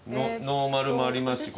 ノーマルもありますし。